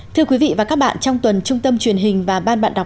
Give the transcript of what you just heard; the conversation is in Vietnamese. thưa quý vị và các bạn trong tuần trung tâm truyền hình và ban bản đồng